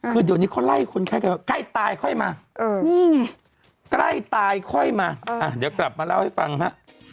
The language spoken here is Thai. ใกล้ตายค่อยมาเออนี่ไงใกล้ตายค่อยมาอ่ะเดี๋ยวกลับมาเล่าให้ฟังฮะ